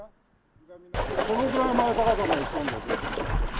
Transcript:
このぐらいの高さまで来たんですよ。